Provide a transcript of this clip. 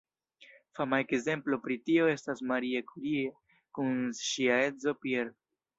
Fama ekzemplo pri tio estas Marie Curie kun ŝia edzo Pierre.